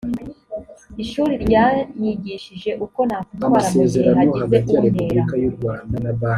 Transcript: ishuri ryanyigishije uko nakwitwara mu gihe hagize untera